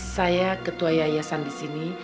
saya ketua yayasan disini